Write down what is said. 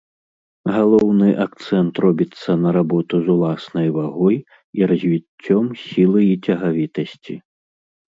Галоўны акцэнт робіцца на работу з уласнай вагой і развіццём сілы і цягавітасці.